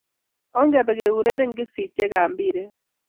ongebe keureren kipsitiekab mpire